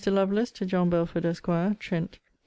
LOVELACE, TO JOHN BELFORD, ESQ. TRENT, DEC.